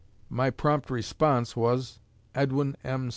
My prompt response was, 'Edwin M.